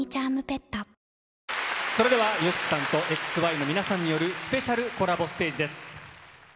それではＹＯＳＨＩＫＩさんとＸＹの皆さんによるスペシャルコラボステージです。